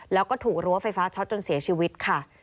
แล้วก็ถูกรั้วไฟฟ้าช็อตจนเสียชีวิตค่ะ